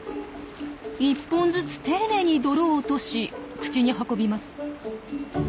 １本ずつ丁寧に泥を落とし口に運びます。